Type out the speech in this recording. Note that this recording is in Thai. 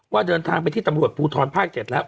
เดินทางไปที่ตำรวจภูทรภาค๗แล้ว